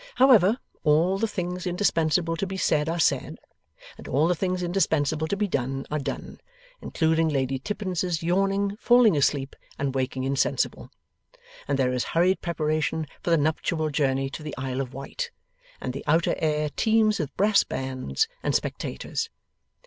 However, all the things indispensable to be said are said, and all the things indispensable to be done are done (including Lady Tippins's yawning, falling asleep, and waking insensible), and there is hurried preparation for the nuptial journey to the Isle of Wight, and the outer air teems with brass bands and spectators.